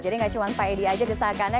jadi gak cuma pak edi aja disakannya